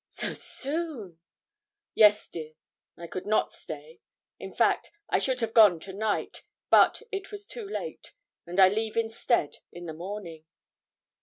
'So soon!' 'Yes, dear; I could not stay; in fact, I should have gone to night, but it was too late, and I leave instead in the morning.'